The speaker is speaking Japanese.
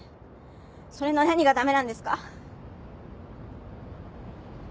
それの何が駄目なんですか？